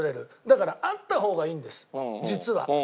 だからあった方がいいんです実は。